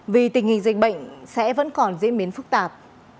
vì tình hình dịch bệnh sẽ vẫn còn diễn biến phức tạp